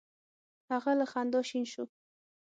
هغه له خندا شین شو: